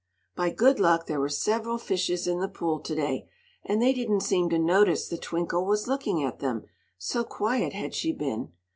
By good luck there were several fishes in the pool to day, and they didn't seem to notice that Twinkle was looking at them, so quiet had she been.